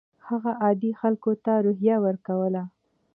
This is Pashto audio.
هغه عادي خلکو ته روحیه ورکوله.